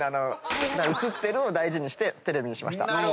「映ってる」を大事にしてテレビにしました。